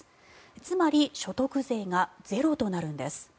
つまり所得税がゼロとなるんです。